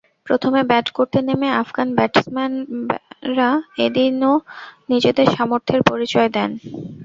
প্রথমে ব্যাট করতে নেমে আফগান ব্যাটসম্যানরা এদিনও নিজেদের সামর্থ্যের পরিচয় দেন।